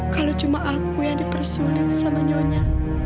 kalau cuma aku yang dipersulit sama nyonya